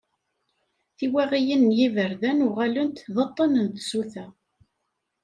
Tiwaɣiyin n yiberdan uɣalent d aṭṭan n tsuta.